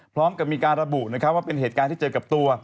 พร้อมกับมีการระบุนะครับว่าเป็นเหตุการณ์ที่เจอกับตัว